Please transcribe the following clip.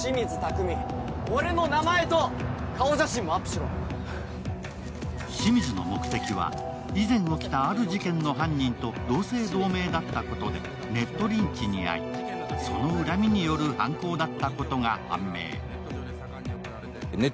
すると清水の目的は以前起きた、ある事件の犯人と同姓同名だったことでネットリンチに遭いその恨みによる犯行だったことが判明。